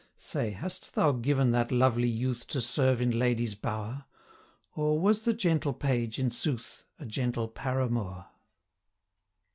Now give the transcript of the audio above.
Say, hast thou given that lovely youth To serve in lady's bower? Or was the gentle page, in sooth, 255 A gentle paramour?'